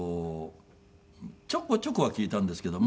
ちょこちょこは聞いたんですけど。